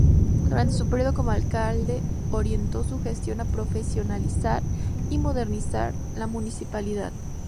Durante su período como alcalde orientó su gestión a profesionalizar y modernizar la municipalidad.